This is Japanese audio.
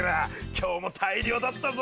今日も大漁だったぞ！